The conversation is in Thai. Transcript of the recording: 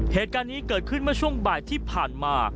เหตุการณ์นี้เกิดขึ้นเมื่อช่วงบ่ายที่ผ่านมา